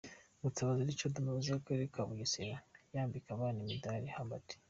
Mutabazi Richard umuyobozi w'akarere ka Bugesera yambika abana imidali Hubert